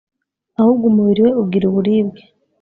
ahubwo umubiri we ugira uburibwe